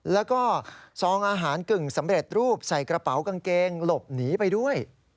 แล้วก็ซองอาหารกึ่งสำเร็จรูปใส่กระเป๋ากางเกงหลบหนีไปด้วย